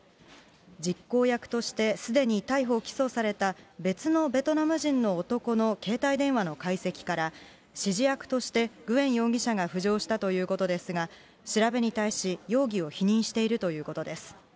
実行役としてすでに逮捕・起訴された別のベトナム人の男の携帯電話の解析から、指示役としてグエン容疑者が浮上したということですが、調べに対し、容疑を否認しているということです。